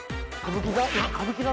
歌舞伎座？